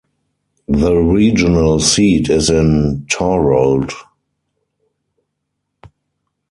The regional seat is in Thorold.